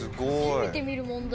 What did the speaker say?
初めて見る問題。